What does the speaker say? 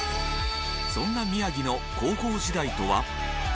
そんな宮城の高校時代とは？